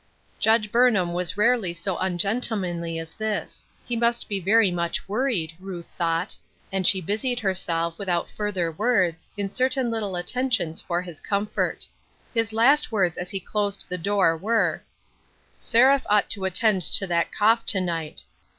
Judge Burnham was rarely so ungentlemanly as this ; he must be very much worried, Ruth thought, and she busied herself, without further words, in certain little attentions for his comfort. His last words as he closed the door were :—" Seraph ought to attend to that cough to night.